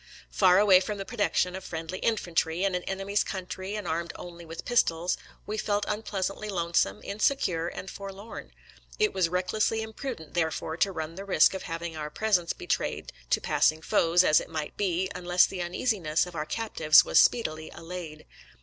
Far away from the protection of friendly infantry, in an enemy's country and armed only with pistols, we felt unpleasantly lonesome, insecure, and forlorn. It was recklessly imprudent, therefore, to run the risk of having our presence betrayed to passing foes, as it might be, unless the uneasi ness of our captives was speedily allayed.